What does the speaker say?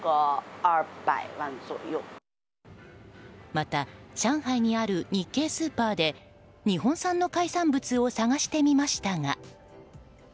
また、上海にある日系スーパーで日本産の海産物を探してみましたが。